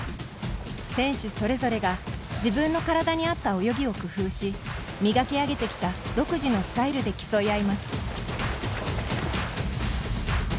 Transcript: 選手それぞれが自分の体にあった泳ぎを工夫し磨き上げてきた独自のスタイルで競い合います。